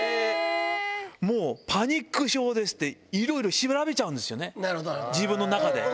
もう、パニック症ですって、いろいろ調べちゃうんですよね、自分の中で。